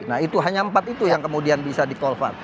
nah itu hanya empat itu yang kemudian bisa di cold fund